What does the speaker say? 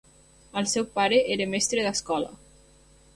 El seu pare era mestre d'escola.